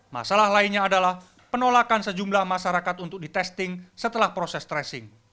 masalah lainnya adalah penolakan sejumlah masyarakat untuk di testing setelah proses tracing